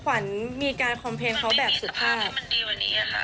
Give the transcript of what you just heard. ขวัญมีการคอมเพลงเขาแบบสุดภาพมันไม่มีสภาพที่มันดีกว่านี้ค่ะ